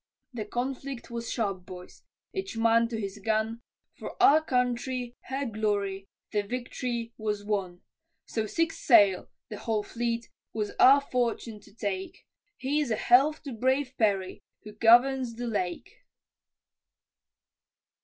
The conflict was sharp, boys, each man to his gun, For our country, her glory, the vict'ry was won, So six sail (the whole fleet) was our fortune to take, Here's a health to brave Perry, who governs the Lake.